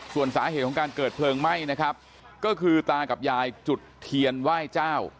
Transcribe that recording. ส่วนสาเหตุของการเกิดเพลิงไหม้นะครับก็คือตากับยายจุดเทียนไหว้เจ้า